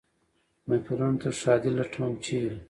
محفلونو ته ښادي لټوم ، چېرې ؟